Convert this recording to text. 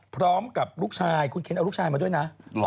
พร้อมกับลูกชายคุณเคนเอาลูกชายมาด้วยนะ